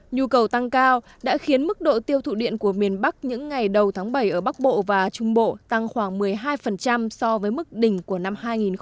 nhu cầu tăng cao đã khiến mức độ tiêu thụ điện của miền bắc những ngày đầu tháng bảy ở bắc bộ và trung bộ tăng khoảng một mươi hai so với mức đỉnh của năm hai nghìn một mươi tám